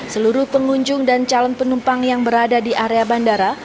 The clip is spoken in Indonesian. seluruh pengunjung dan calon penumpang yang berada di area bandara